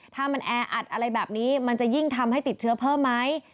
ถ้ามันแออัดอะไรแบบนี้มันจะยิ่งทำให้ติดเชื้อเพิ่มไหม